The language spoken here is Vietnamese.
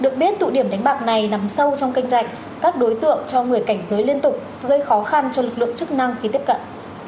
các đối tượng cho người cảnh giới liên tục gây khó khăn cho lực lượng chức năng khi tiếp cận